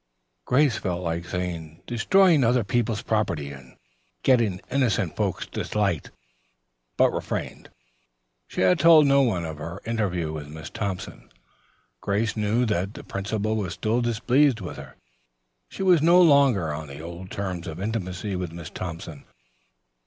Grace felt like saying "Destroying other people's property and getting innocent folks disliked," but refrained. She had told no one of her interview with Miss Thompson. Grace knew that the principal was still displeased with her. She was no longer on the old terms of intimacy with Miss Thompson.